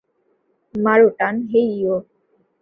মারো টান হেইয়ো।